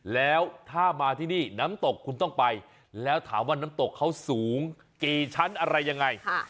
แล้วถ้ามาที่นี่น้ำตกคุณต้องไปแล้วถามว่าน้ำตกเขาสูงกี่ชั้นอะไรยังไง